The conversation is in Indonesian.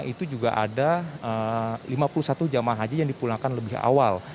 itu juga ada lima puluh satu jemaah haji yang dipulangkan lebih awal